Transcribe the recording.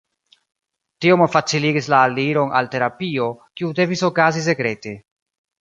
Tio malfaciligis la aliron al terapio, kiu devis okazi sekrete.